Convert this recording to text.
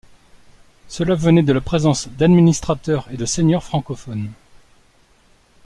Cela venait de la présence d'administrateurs et de seigneurs francophones.